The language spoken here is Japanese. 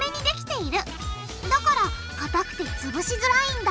だからかたくてつぶしづらいんだ！